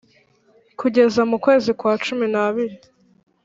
kugeza mukwezi kwa cuminabiri